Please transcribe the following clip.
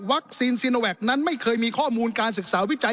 ซีโนแวคนั้นไม่เคยมีข้อมูลการศึกษาวิจัย